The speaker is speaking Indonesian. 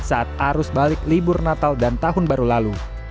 saat arus balik libur natal dan tahun baru lalu